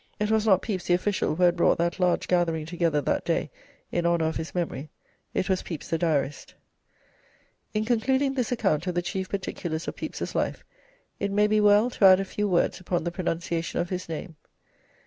It was not Pepys the official who had brought that large gathering together that day in honour of his memory: it was Pepys the Diarist." In concluding this account of the chief particulars of Pepys's life it may be well to add a few words upon the pronunciation of his name.